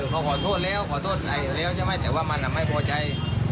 พอขอโทษแล้วขอโทษแล้วใช่ไหมแต่ว่ามันไม่พอใจ